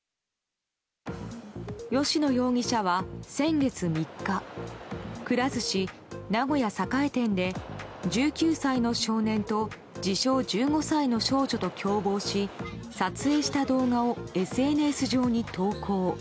吉野容疑者は先月３日くら寿司名古屋栄店で１９歳の少年と自称１５歳の少女と共謀し撮影した動画をＳＮＳ上に投稿。